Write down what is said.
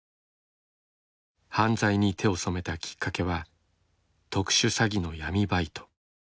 犯罪に手を染めたきっかけは特殊詐欺の闇バイト。